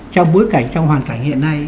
trong bối cảnh trong hoàn cảnh hiện nay